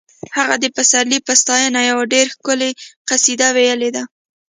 هغه د پسرلي په ستاینه کې یوه ډېره ښکلې قصیده ویلې ده